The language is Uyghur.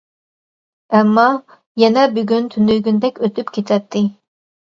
ئەمما يەنە بۈگۈن تۈنۈگۈندەك ئۆتۈپ كېتەتتى.